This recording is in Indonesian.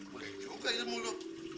boleh juga ya mulu